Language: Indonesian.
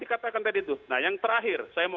dikatakan tadi itu nah yang terakhir saya mau